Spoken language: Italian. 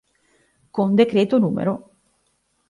Con decreto n.